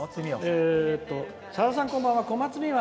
「さださん、こんばんは。